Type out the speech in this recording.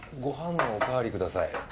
ご飯のおかわりください。